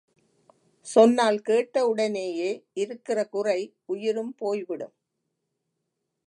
சொன்னால் கேட்ட உடனேயே இருக்கிற குறை உயிரும் போய் விடும்!